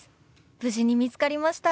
無事に見つかりました。